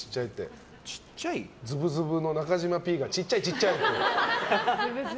ズブズブの中嶋Ｐがちっちゃい、ちっちゃいって。